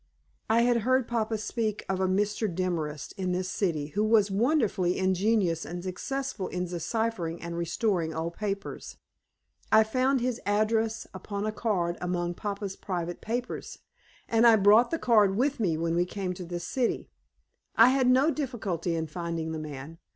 I had heard papa speak of a Mr. Demorest in this city who was wonderfully ingenious and successful in deciphering and restoring old papers. I found his address upon a card among papa's private papers, and I brought the card with me when we came to this city. I had no difficulty in finding the man.